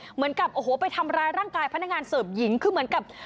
เหมือนกับโอ้โหไปทำร้ายร่างกายพนักงานเสิร์ฟหญิงคือเหมือนกับ